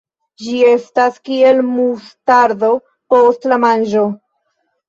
Ĝi estas kiel mustardo post la manĝo.